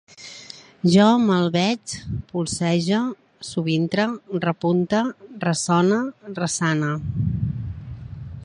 Jo malveig, polzege, subintre, repunte, ressone, ressane